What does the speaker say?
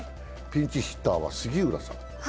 ピンチヒッターは杉浦さん。